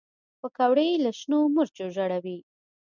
پکورې له شنو مرچو ژړوي